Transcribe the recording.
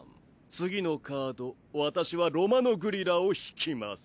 次のカード私はロマノグリラを引きます。